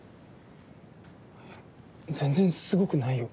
全然すごくないよ。